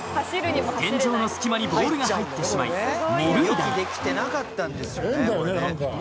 天井の隙間にボールが入ってしまい二塁打に。